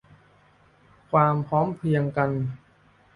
ความพร้อมเพรียงกัน